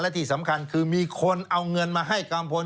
และที่สำคัญคือมีคนเอาเงินมาให้กัมพล